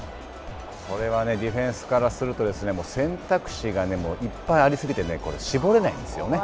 これはディフェンスからするともう選択肢がいっぱいあり過ぎて絞れないんですよね。